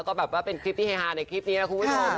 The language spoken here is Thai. ก็แบบว่าเป็นคลิปที่เฮฮาในคลิปนี้นะคุณผู้ชม